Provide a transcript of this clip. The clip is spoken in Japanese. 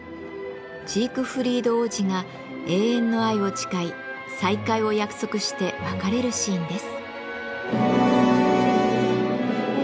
ジークフリード王子が永遠の愛を誓い再会を約束して別れるシーンです。